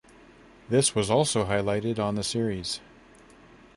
This was also highlighted on the series.